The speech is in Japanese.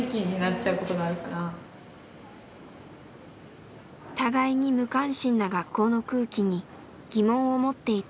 互いに無関心な学校の空気に疑問を持っていたマユミ。